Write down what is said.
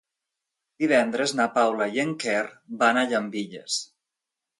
Divendres na Paula i en Quer van a Llambilles.